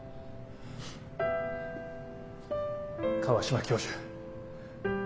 川島教授